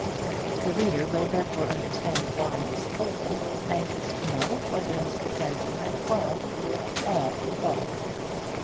The reader will therefore understand why Miss Colza was anxious to know whether Miss Mackenzie had quarrelled with all the Balls.